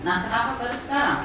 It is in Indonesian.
nah kenapa baru sekarang